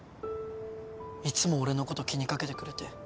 いつも俺のこと気に掛けてくれて。